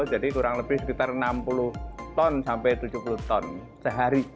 jadi kurang lebih sekitar enam puluh ton sampai tujuh puluh ton sehari